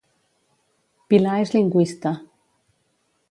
Pilar és lingüista